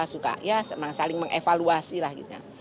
suka ya saling mengevaluasi lah gitu